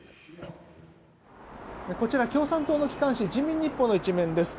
こちら、共産党の機関紙人民日報の１面です。